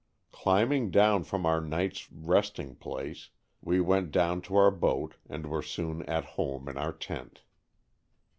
Climbing down from our night's resting (?) place, we went down to our boat and were soon "at home'' in our tent.